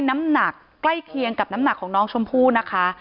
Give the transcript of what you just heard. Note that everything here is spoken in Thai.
น้ำหนักใกล้เคียงกับน้ำหนักของน้องชมพู่นะคะ